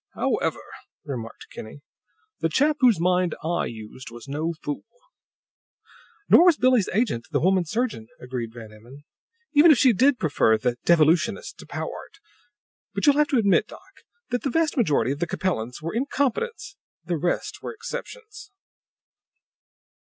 "However," remarked Kinney, "the chap whose mind I used was no fool." "Nor was Billie's agent, the woman surgeon," agreed Van Emmon, "even if she did prefer 'the Devolutionist' to Powart. But you'll have to admit, doc, that the vast majority of the Capellans were incompetents; the rest were exceptions."